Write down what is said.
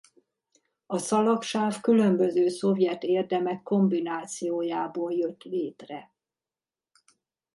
A szalagsáv különböző szovjet érdemek kombinációjából jött létre.